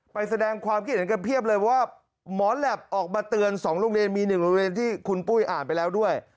แสดงความคิดเห็นกันเพียบเลยว่าหมอแหลปออกมาเตือน๒โรงเรียนมี๑โรงเรียนที่คุณปุ้ยอ่านไปแล้วด้วย